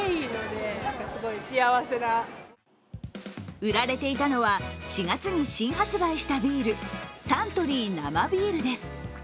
売られていたのは４月に新発売したビールサントリー生ビールです。